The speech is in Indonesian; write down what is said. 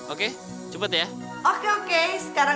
oke cepet ya